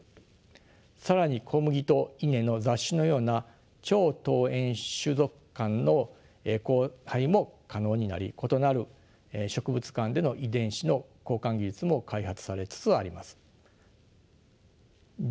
更に小麦と稲の雑種のような超遠縁種属間の交配も可能になり異なる植物間での遺伝子の交換技術も開発されつつあります。